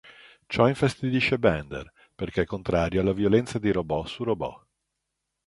Ciò infastidisce Bender, perché è contrario alla violenza di robot su robot.